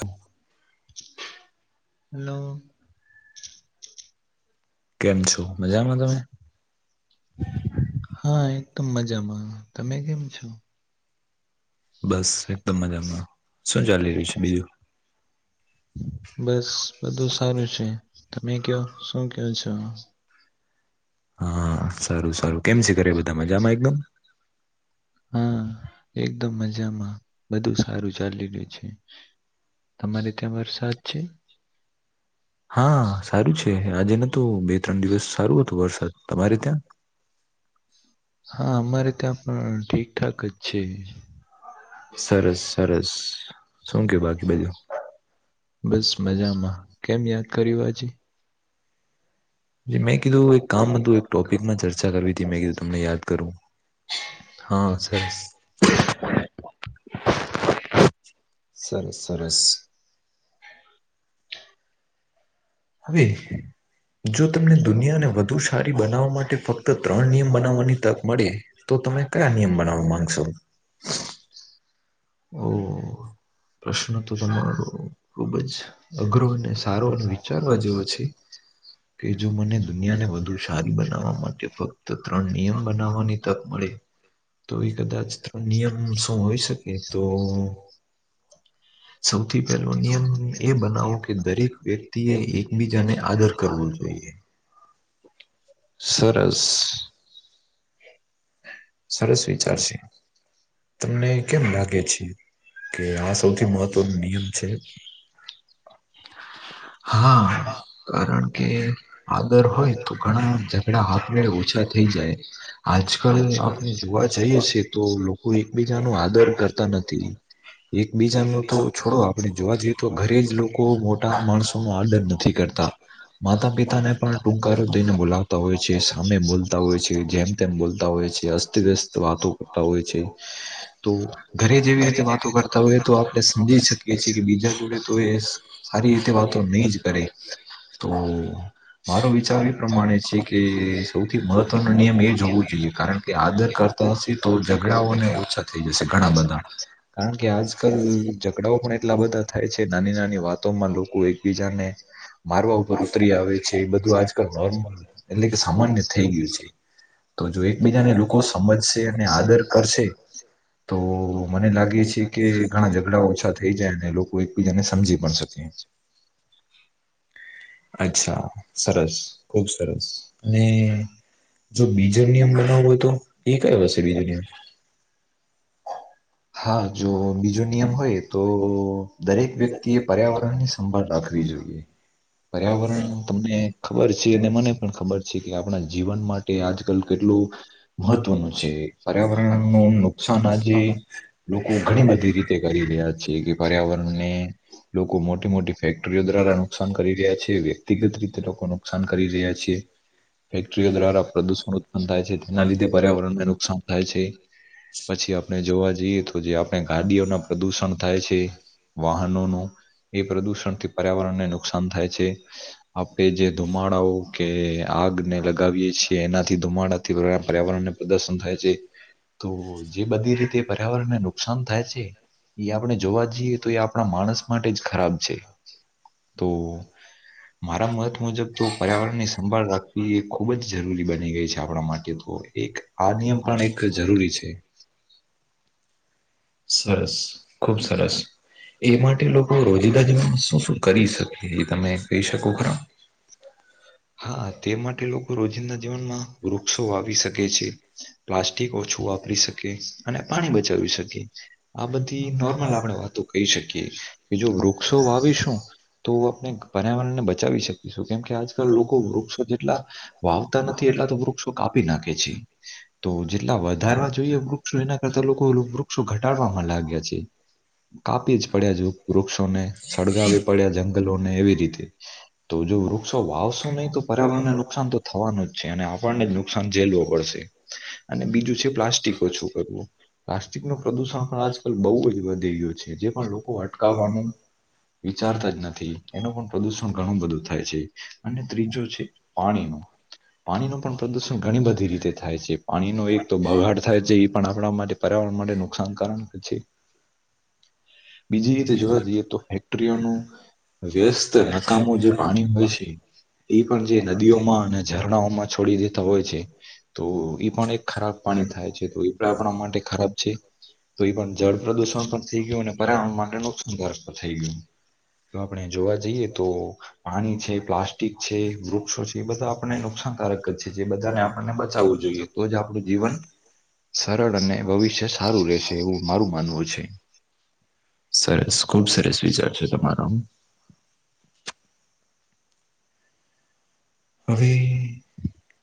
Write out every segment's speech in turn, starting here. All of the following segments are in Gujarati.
હ હલો કેમ છો મજામાં તમે? હા એકદમ મજામાં તમે કેમ છો? બસ એકદમ મજામાં શું ચાલી રહ્યું છે બીજું!? હ બસ બધું સારું છે તમે કયો શું કયો છો? [inaudible] હા સારું સારું કેમ છે ઘરે બધા મજામાં એકદમ? એકદમ મજામાં બધું સારું ચાલી રહ્યું છે. તમારી ત્યાં વરસાદ છે? હા સારું છે આજે નતું બે ત્રણ દિવસ સારું હતું વરસાદ તમારે ત્યાં? હા અમારે ત્યાં પણ ઠીકઠાક જ છે. સરસ સરસ શું કે બાકી બધું? બસ મજામાં કેમ યાદ કર્યું આજે? મેં કીધું એક કામ હતું એક ટોપિકમાં ચર્ચા કરવી હતી મેં કીધું તમને યાદ કરવું. હા સરસ સરસ સરસ [inaudible] [inaudible] જો તમને દુનિયાને વધુ સારી બનાવવા માટે ફક્ત ત્રણ નિયમ બનાવવાની તક મળે તો તમે કયા નિયમ બનાવવા માંગશો? [unintelligible] હ પ્રશ્ન તો તમારો ખુબ જ અઘરો અને સારો અને વિચારવા જેવો છે. [inaudible] કે જો મને દુનિયાને વધુ સારી બનાવવા માટે ફક્ત ત્રણ નિયમ બનાવવાની તક મળે તો એ કદાચ નિયમ શું હોઈ શકે તો સૌથી પહેલો નિયમ એ બનાવો કે દરેક વ્યક્તિ એ એકબીજાને આદર કરવો જોઈએ સરસ સરસ વિચાર છે તમને કેમ લાગે છે કે આ સૌથી મહત્વ [inaudible] હા હા કારણ કે આદર હોય તો ઘણા ઝઘડા હાથે ઓછા થઈ જાય આજ કલ [unintelligible] જોવા જઈએ છે તો લોકો એકબીજા નો આદર કરતા નથી એકબીજા નુ તો છોડો આપણે જોવા જઈએ તો ઘરે જ લોકો મોટા માણસો નો આદર નથી કરતા માતા પિતાને પણ ટૂકારો થઈને બોલાવતા હોય છે, સામે બોલતા હોય છે, જેમ તેમ બોલતા હોય છે, હસ વ્યસ્ત વાતો કરતા હોય છે તો ઘરે જેવી રીતે વાતો કરતા હોય તો આપણે સમજી એ છે કે બીજા જોડે તો એ સારી રીતે વાતો નહી જ કરે તો મારો વિચાર એ પ્રમાણે છે કે સૌથી મહત્વનો નિયમ એ જ હોવો જોઈએ કારણ કે આદર કરતા નથી તો ઝઘડાઓને ઓછા થઈ જશે ઘણા બધા કારણ કે આજકાલ ઝઘડાઓ પણ એટલા બધા થાય છે નાની નાની વાતોમાં લોકો એક બીજાને મારવા ઉપર ઉતરી આવે છે એ બધું આજકાલ અ એટલે કે સામાન્ય થઈ ગયું છે તો જો એકબીજાને લોકો સમજશે અને આદર કરશે તો મને લાગે છે કે ઘણા ઝઘડા ઓછા થઈ જાય અને લોકો એકબીજાને સમજી પણ શકે અચ્છા સરસ ખુબ સરસ અને જો બીજા નિયમ બનાવો હોય તો એ કયો હશે બીજો નિયમ હા જો બીજો નિયમ હોય તો દરેક વ્યક્તિ એ પર્યાવરણની સંભાળ રાખ વી જોઈએ પર્યાવરણ તમને ખબર છે અને મને પણ ખબર છે કે આપણા જીવન મા ટે આજકાલ કેટલું મહત્વનું છે, પર્યાવરણ નુ નુકસાન આજે લોકો ઘણી બધી રીતે કરી રહ્યા છે કે પર્યાવરણને લોકો મોટી મોટી ફેક ક્ટરી દ્વારા નુકસાન કરી રહ્યા છે, વ્યક્તિગત રીતે લોકો નુકસાન કરી રહ્યા છે. ફેક્ટરીઓ દ્વારા પ્રદુષણ ઉત્પન્ન થાય છે, તેના લીધે પર્યાવરણને નુકસાન થાય છે. [unintelligible] આપણે જોવા જઈએ તો જે આપણે ગાડીઓના પ્રદુષણ થાય છે. વાહનોનું એ પ્રદુષણથી પર્યાવરણને નુકસાન થાય છે.. આપણે જે ધુમાડાઓ કે આગને લગાવીએ છીએ એનાથી ધુમાડાથી પર્યાવરણને પ્રદર્શન થાય છે. તો જે બધી રીતે પર્યાવરણને નુકસાન થાય છે. એ આપણે જોવા જઈએ તો એ આપણા માણસ માટે જ ખરાબ છે. તો મારા મત મુજબ તો પર્યાવરણ ની સંભાળ રાખવી એ ખૂબ જ જરૂરી બની ગઈ છે. આપણા માટે તો એક આ નિયમ પણ એક જરૂરી છે. સરસ ખુબ સરસ એ માટે લોકો રોજદાર શું શું કરી શકે એ તમે કહી શકો ખરા હા તે માટે લોકો રોજિંદા જીવનમાં વૃક્ષો વાવી શકે છે. પ્લાસ્ટિક ઓછું વાપરી શકે અને પાણી બચાવી શકે આ બધી નોર્મલ આપણે વાતો કહી શકીએ કે જો વૃક્ષો વાવી તો આપણે પર્યાવરણ ને બચાવી શકીશું કેમ કે આજકાલ લોકો વૃક્ષો જેટલા વાવતા નથી એટલે તો વૃક્ષો કાપી નાખે છે. તો જેટલા વધારવા જોઈએ વૃક્ષો એના કરતા લોકો વૃક્ષ વૃક્ષો ઘટાડવામાં લાગ્યા છે. કાપી જ પડ્યા જે વૃક્ષોને કપાવી પડ્યા જંગલોને એવી રીતે તો જો વૃક્ષો વાવશો નહીં તો પર્યાવરણ નુકસાન તો થવાનું જ છે અને આપણને જ નુકસાન ઝેલવું પડશે. અને બીજું છે પ્લાસ્ટિક ઓછું કરવું. પ્લાસ્ટિક નો પ્રદુષણ પણ આજકાલ બહુ જ વધી ગયું છે જે પણ લોકો અટકાવવાનો વિચારતા જ નથી એનું પણ પ્રદુષણ ઘણું બધું થાય છે અને ત્રીજો છે પાણીનો પાણીનું પણ પ્રદુષણ ઘણી બધી રીતે થાય છે પાણીનો એક તો બગાડ થાય છે એ પણ આપણા માટે પર્યાવરણ માટે નુકસાનકારણ પછી બીજી રીતે જોવા જઈએ તો એક સ્ત્રીય નું વ્યસ્ત નકામો જે પાણી હોય છે. એ પણ જે નદીઓમાં અને ઝરણાઓમાં છોડી દેતા હોય છે તો ઈ પણ એક ખરાબ પાણી થાય છે તો એ પણ આપણા માટે ખરાબ છે તો એ પણ જળ પ્રદુષણ પણ થઈ ગયું અને પર્યાવરણ માટે નુકસાન થઈ ગયું તો આપણે જોવા જઈએ તો પાણી છે પ્લાસ્ટિક છે વૃક્ષો છે એ બધા આપણને નુકસાનકારક જ છે જે બધાને આપણને બચાવવું જોઈએ તો જ આપણું જીવન સરળ અને ભવિષ્ય સારું રહેશે એવું મારું માનવું છે. સરસ ખુબ સરસ વિચાર છે તમારો હવે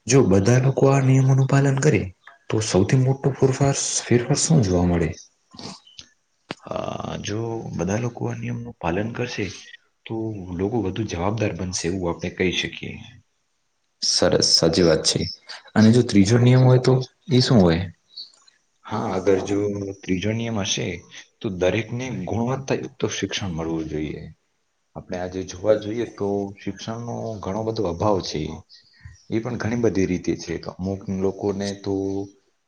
જો બધા લોકો આ નિયમોનું પાલન કરે તો સૌથી મોટો ફૂરફર ફેરફાર શું જોવા મળે હા જો બધા લોકો આ નિયમનું પાલન કરશે તો લોકો વધુ જવાબદાર બનશે એવું આપણે કહી શકીએ. સરસ સાચી વાત છે અને જો ત્રીજો નિયમ હોય તો એ શું હોય. હા અગર જો ત્રીજો નિયમ હશે તો દરેકને ગુણવત યુક તો શિક્ષણ મળવું જોઈએ. આપણે આજે જોવા જોઈએ તો શિક્ષણનો ઘણો બધો અભાવ છે. એ પણ ઘણી બધી રીતે છે અમુક લોકોને તો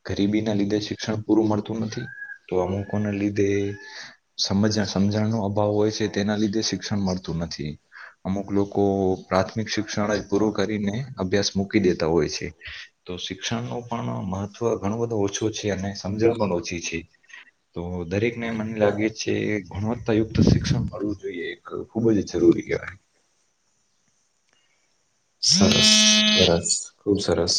ગરીબી ના લીધે શિક્ષણ પૂરું મળતું નથી તો અમુકો ના લીધે સમજ સમજણ નો અભાવ હોય છે તેના લીધે શિક્ષણ મળતું નથી અમુક લોકો પ્રાથમિક શિક્ષણ જ પૂરું કરીને અભ્યાસ મૂકી દેતા હોય છે તો શિક્ષણ નો પણ મહત્વ ઘણો બધો ઓછું છે અને સમજણ પણ ઓછી છે. તો દરેકને મને લાગે છે ગુણવત્તાયુક્ત શિક્ષણ મળવું જોઈએ તો ખુબ જ જરૂરી કય સરસ સરસ ખુબ સરસ.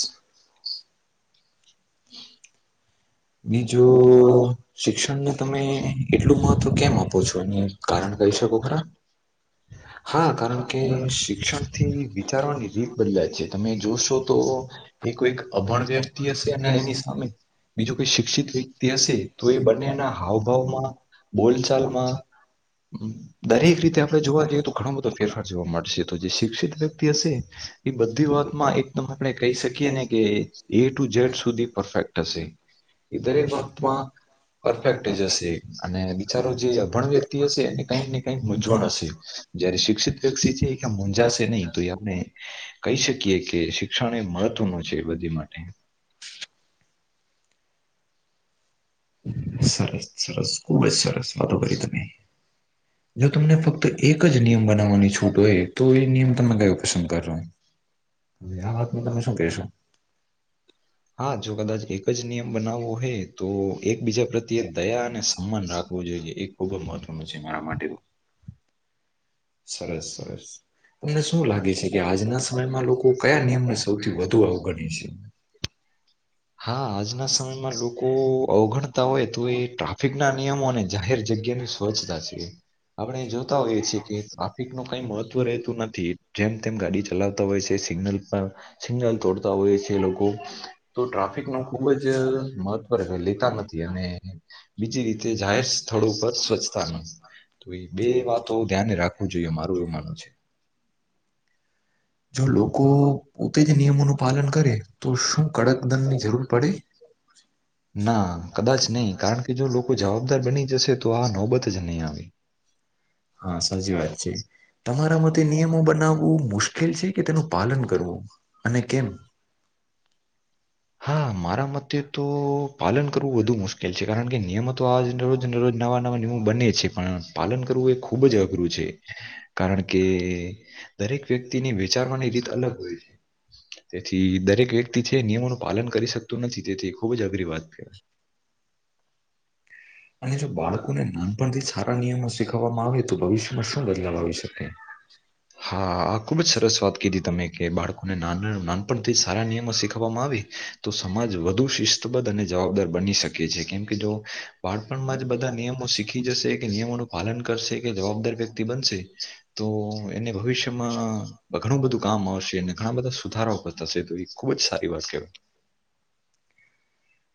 બીજું શિક્ષણને તમે એટલું મહત્વ કેમ આપો છો? કારણ કઈ સકો [unintelligible] હા કારણ કે શિક્ષણથી વિચારવાની રીત બદલાય છે તમે જોશો તો એ કોઈક અભણ વ્યક્તિ હશે અને એની સામે બીજો કોઈ શિક્ષિત વ્યક્તિ હશે તો એ બંનેના હાવભાવમાં બોલચાલમાં દરેક રીતે આપડે જોવા જઈએ તો ઘણો બધો ફેરફાર જોવા મળશે તો જે શિક્ષિત વ્યક્તિ હશે એ બધી વાતમાં એકદમ આપણે કહી શકીએ ને કે એ ટુ જેડ સુધી પરફેક્ટ હશે. એ દરેક વાત માં પરફેક્ટ જ હશે અને બિચારો જે અભણ વ્યક્તિ હશે એને કઈક ને કઈક મૂઝવણ હશે. જયારે શિક્ષિત વ્યક્તિ છે કે મુંંજાશે નહી તો એ આપણે કહી શકીએ કે શિક્ષણ એ મહત્વનું છે એ બધી માટ સરસ સરસ ખુબ જ સરસ વાતો કરી તમે. જો તમને ફક્ત એક જ નિયમ બનાવવાની છૂટ હોય તો એ નિયમ તમમે કયો પસંદ કરો. હવે આ વાતમાં તમે શું ક હા જો કદાચ એક એક જ નિયમ બનાવવો હે તો એકબીજા પ્રત્યે દયા અને સન્માન રાખવું જોઈએ એ ખુબ જ મહત્વનું છે [unintelligible] [unintelligible] સરસ સરસ. તમને શું લાગે છે, કે આજના સમયમાં લોકો કયા નિયમને સૌથી વધુ અવગણે છે. હા આજના સમયમાં લોકો અવગણતા હોય તો એ ટ્રાફિક ના નિયમો અને જાહેર જગ્યાની સ્વચ્છતા છે. આપડણે જોતા હોઈએ છીએ કે ટ્રાફિક નું કઈ મહત્વ રહેતું નથી જેમ તેમ ગાડી ચલાવતા હોય છે, સિગ્નલ સિગ્નલ તોડતા હોય છે, લોકો તો ટ્રાફિક નું ખુબ જ મહત્વ [unintelligible] જે વાતો હ ધ્યાને રાખું છ અર જો લોકો પોતે જ નિયમોનું પાલન કરે તો [unintelligible] ના કદાચ નહીં કારણ કે જો લોકો જવાબદાર બની જશે તો આ નોબત જ નહી આવે. હા સાચી વાત છે. તમારા માટેતે નિયમો બનાવવું મુશ્કેલ છે, કે તેનું પાલન કરવું અને કેમ? હા મારા મતે તો પાલન કરવું વધુ મુશ્કેલ છે, કારણ કે નિયમો તો આજને રોજ રોજ નવા નવા નિયમો બને છે, પણ પાલન કરવું એ ખૂબ જ અઘરું છે, કારણ કે દરેક વ્યક્તિને વેચારવાની રીત અલગ હોય છે, તેથી દરેક વ્યક્તિ વ્યક્તિ છે, નિયમોનું પાલન કરી શકતું નથી તેથી ખૂબ જ અઘરી વાત છે. હ અને જો બાળકોને નાનપણથી સારા નિયમો [unintelligible] હા આ ખૂબ જ સરસ વાત કીધી તમે કે બાળકોને નાન નાનપણથી સારા નિયમો શીખવવામાં આવે. તો સમાજ વધુ શિસ્તબદ્ધ અને જવાબદાર બની શકે છે, કેમ કે જો બાળપણમાં જ બધા નિયમો શીખી જશે કે નિયમોનું પાલન કરશે કે જવાબદાર વ્યક્તિ બનશે તો એને ભવિષ્યમાં ઘણું બધું કામ આવશે અને ઘણા બધા સુધારા કરશે થશે તો એ ખુબ જ સારી વાત કેવાય.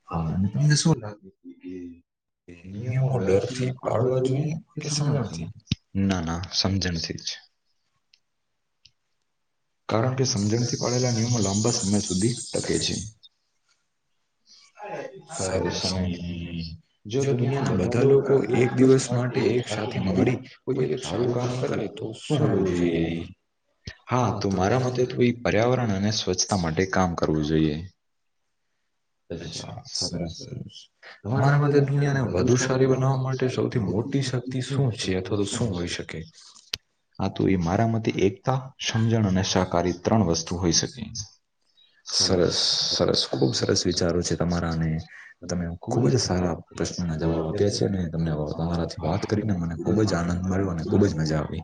હા અને તમને શું લાગે છે, કે નિયમો ડર થી આગળ જોઈએ કે સમજથી. ના-ના સમજણથી જ. કારણ કે સમજણથી પાળેલા નિયમો લાંબા સમય સુધી ટકે છે. સમય ન જો દુનિયાના બધા લોકો એક દસ પણ એક કી મળી કોઈ સારું કામ કરે તો શું હોવું જોઈએ એ હા તો મારા મતે તો એ પર્યાવરણ અને સ્વચ્છતા માટે કામ કરવું જોઈએ. અચ્છા સરસ સરસ તમારા માટે દુનિયા વધુ સારું બટી [unintelligible] હા તો એ મારા માટેતે એકતા સમજણ અને શાકાહારી ત્રણ વસ્તુ હોઈ શકે. સર સરસ. સરસ ખુબ સરસ વિચારો છે તમારાને તમે ખુબ જ સારા પ્રશ્નોના જવાબ આપ્યા છે અને. તમને તમારાથી વાત કરીને મને ખુબ જ આનંદ મળ્યો અને ખુબ જ મજા આવી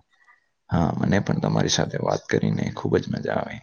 હા મને પણ તમારી સાથે વાત કરીને ખુબ જ મજા આવે.